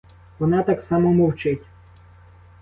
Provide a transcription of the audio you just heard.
Вона так само мовчить.